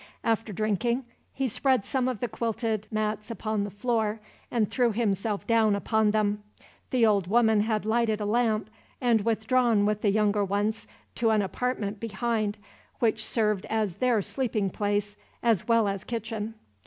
After drinking, he spread some of the quilted mats upon the floor, and threw himself down upon them. The old woman had lighted a lamp, and withdrawn with the younger ones to an apartment behind; which served as their sleeping place, as well as kitchen.